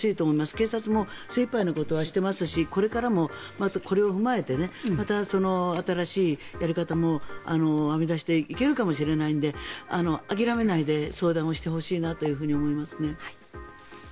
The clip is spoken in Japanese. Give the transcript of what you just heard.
警察も精いっぱいのことはしていますしこれからもこれを踏まえてまた新しいやり方も編み出していけるかもしれないので諦めないで相談をしてほしいなと思いますね。